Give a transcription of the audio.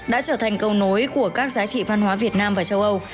đã trở thành câu nối của các giá trị văn hóa việt nam và châu âu